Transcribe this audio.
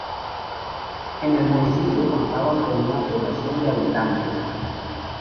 En el municipio contaba con una población de habitantes.